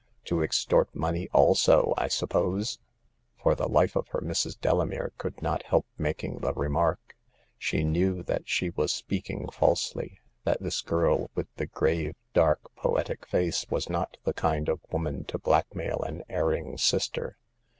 "To extort money also, I suppose ?" For the life of her, Mrs. Delamere could not help making the remark. She knew that she was speaking falsely ; that this girl with the grave, dark, poetic face was not the kind of woman to blackmail an erring sister.